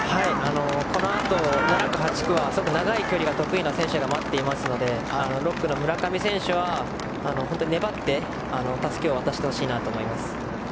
このあと７区、８区は長い距離が得意な選手が待っていますので６区の村上選手は本当、粘ってたすきを渡してほしいと思います。